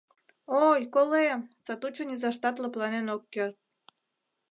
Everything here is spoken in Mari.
— Ой, колем... — сатучо низаштат лыпланен ок керт.